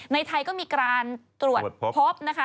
ในไทยก็มีการตรวจพบนะคะ